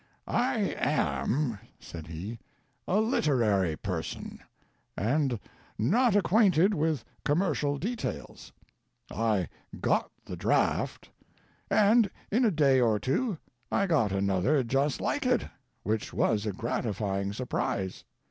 "I am," said he, "a literary person and not acquainted with commercial details. I got the draft, and in a day or two I got another just like it, which was a gratifying surprise.